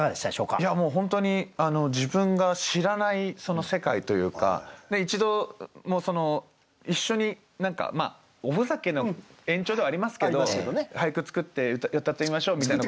いやもう本当に自分が知らない世界というか一度一緒におふざけの延長ではありますけど俳句作ってうたってみましょうみたいなこと。